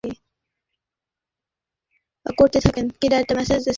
এ পরিবারের সকলেই হারানে বসবাস করতে থাকেন।